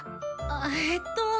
あえっと。